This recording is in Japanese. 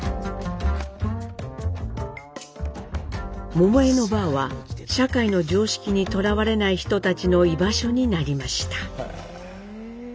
桃枝のバーは社会の常識にとらわれない人たちの居場所になりました。